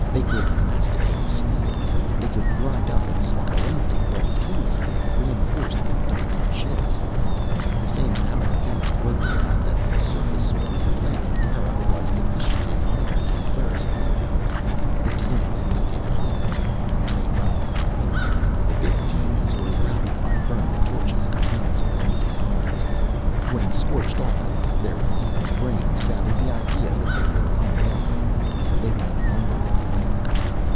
They could masticate steel. They could grind up and swallow anything but tool steel reinforced with diamond chips. The same amateur chemist worked it out that the surface soil of the planet Eire was deficient in iron and ferrous compounds. The dinies needed iron. They got it. The big dinies were routed by burning torches in the hands of angry colonists. When scorched often enough, their feeble brains gathered the idea that they were unwelcome. They went lumbering away.